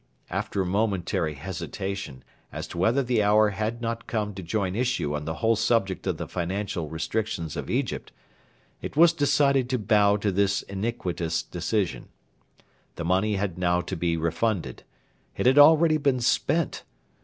After a momentary hesitation as to whether the hour had not come to join issue on the whole subject of the financial restrictions of Egypt, it was decided to bow to this iniquitous decision. The money had now to be refunded. It had already been spent.